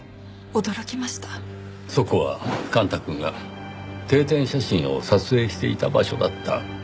そこは幹太くんが定点写真を撮影していた場所だった。